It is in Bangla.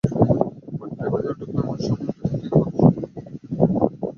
মাঠ পেরিয়ে বাজারে ঢুকব, এমন সময় পেছন থেকে পাড়ার সজল ভাই ডাকলেন।